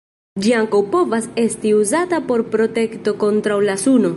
Ĝi ankaŭ povas esti uzata por protekto kontraŭ la suno.